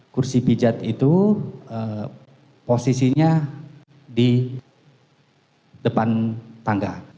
kursi pijat itu posisinya di depan tangga